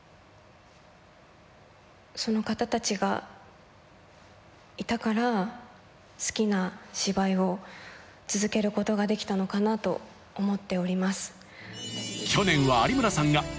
その方たちがいたから好きな芝居を続けることができたのかなと思っております。